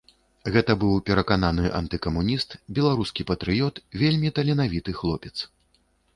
Гэта быў перакананы антыкамуніст, беларускі патрыёт, вельмі таленавіты хлопец.